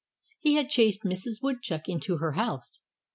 He had chased Mrs. Woodchuck into her house.